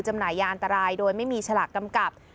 จำหน่ายยานตรายโดยไม่มีชลักกำกับ